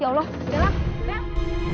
ya allah ya allah